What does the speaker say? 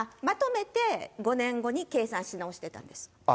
まとめて５年後に計算し直してたんです。